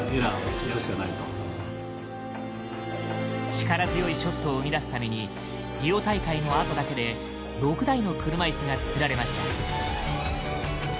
力強いショットを生み出すためにリオ大会の後だけで６台の車いすが作られました。